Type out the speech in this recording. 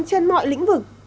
trên mọi lĩnh vực